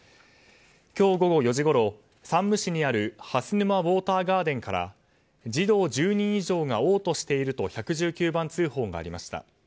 今日午後４時ごろ、山武市にあるプールから児童１０人以上がおう吐していると１１９番通報がありました。